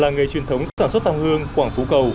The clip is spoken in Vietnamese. ngoại truyền thống sản xuất tham hương quảng phú cầu